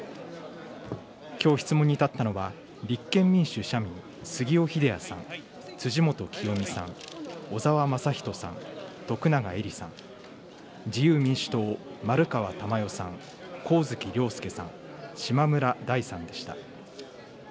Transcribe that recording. きょう、質問に立ったのは、立憲民主・社民、杉尾秀哉さん、辻元清美さん、小沢雅仁さん、徳永エリさん、自由民主党、丸川珠代さん、上月良祐さん、島村大さんでした。